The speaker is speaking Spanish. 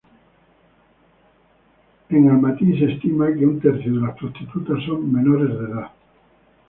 En Almatý, se estima que un tercio de las prostitutas son menores de edad.